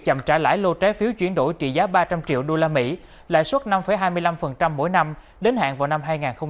chậm trả lãi lô trái phiếu chuyển đổi trị giá ba trăm linh triệu usd lãi suất năm hai mươi năm mỗi năm đến hạn vào năm hai nghìn hai mươi